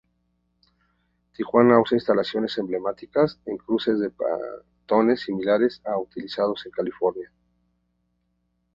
Tijuana usa instalaciones emblemáticas, en cruces de peatones, similares a los utilizados en California.